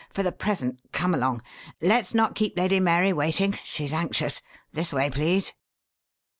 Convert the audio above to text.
For the present, come along. Let's not keep Lady Mary waiting she's anxious. This way, please."